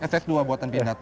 ss dua buatan binat